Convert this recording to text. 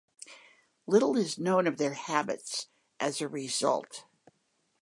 Little is known of their habits as a result.